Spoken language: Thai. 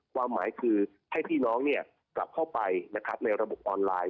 ความหมายคือให้พี่น้องกลับเข้าไปในระบบออนไลน์